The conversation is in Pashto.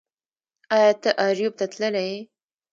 ایا ته اریوب ته تللی یې